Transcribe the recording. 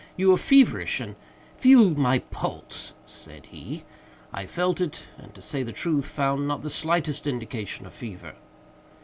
You are feverish and—" "Feel my pulse," said he. I felt it, and, to say the truth, found not the slightest indication of fever.